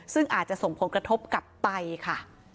ซึ่งอาจจะส่งผลกระทบกับไตค่ะ